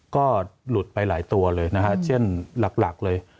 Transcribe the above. ก็หลุดไปหลายตัวเลยนะฮะเช่นหลักเลย